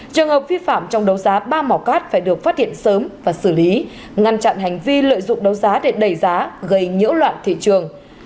trường hợp vi phạm trong đấu giá ba mỏ cát phải được phát hiện sớm và xử lý ngăn chặn hành vi lợi dụng đấu giá để đẩy giá gây nhiễu loạn thị trường